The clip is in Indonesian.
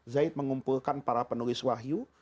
zaid mengumpulkan para penulis wahyu